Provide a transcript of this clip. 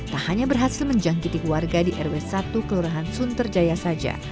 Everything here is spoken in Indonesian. tak hanya berhasil menjangkiti warga di rw satu kelurahan sunterjaya saja